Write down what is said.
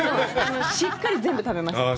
しっかり全部食べました。